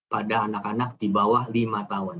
pada anak anak di bawah lima tahun